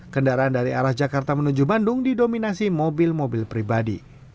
kendaraan dari arah jakarta menuju bandung didominasi mobil mobil pribadi